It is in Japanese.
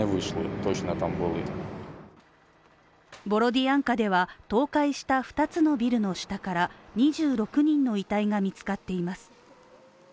ボロディアンカでは倒壊した２つのビルの下から２６人の遺体が見つかっています。